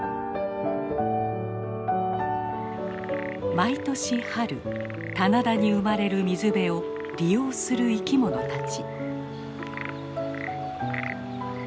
毎年春棚田に生まれる水辺を利用する生きものたち。